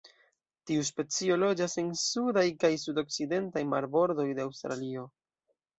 Tiu specio loĝas en sudaj kaj sudokcidenta marbordoj de Aŭstralio.